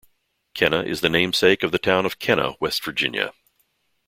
Kenna is the namesake of the town of Kenna, West Virginia.